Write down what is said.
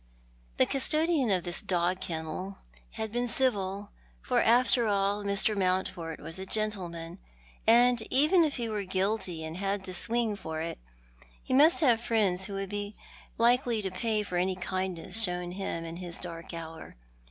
The custodian of this dog kennel had been civil, for after all Mr. Mountford was a gentleman, and even if he were guilty and had to swing for it, he must have friends who would be likely to pay for any kindness shown him in his dark hour.